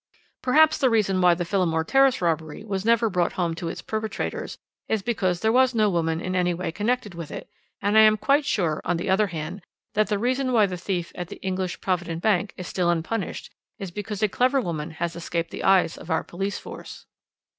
"Perhaps the reason why the Phillimore Terrace robbery was never brought home to its perpetrators is because there was no woman in any way connected with it, and I am quite sure, on the other hand, that the reason why the thief at the English Provident Bank is still unpunished is because a clever woman has escaped the eyes of our police force."